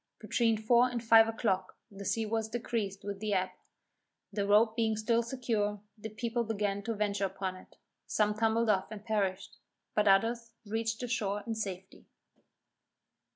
Between four and five o'clock the sea was decreased with the ebb; the rope being still secure, the people began to venture upon it; some tumbled off and perished, but others reached the shore in safety.